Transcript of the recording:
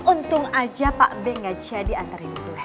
untung aja pak b gak jadi antarin gue